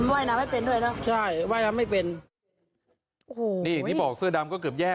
ว่ายน้ำให้เป็นด้วยเนอะใช่ว่ายน้ำไม่เป็นโอ้โหนี่อย่างที่บอกเสื้อดำก็เกือบแย่